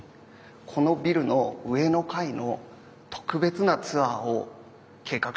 このビルの上の階の特別なツアーを計画してるんですよね。